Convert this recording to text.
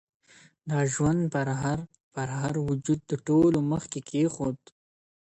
دا ژوند پرهر ـ پرهر وجود د ټولو مخ کي کيښود,